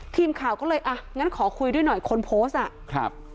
ทีมข่าวก็เลยอ่ะงั้นขอคุยด้วยหน่อยคนโพสต์อ่ะครับ